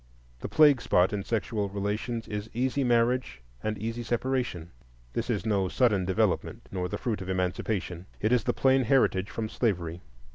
The plague spot in sexual relations is easy marriage and easy separation. This is no sudden development, nor the fruit of Emancipation. It is the plain heritage from slavery.